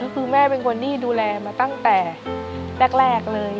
คือแม่เป็นคนที่ดูแลมาตั้งแต่แรกเลย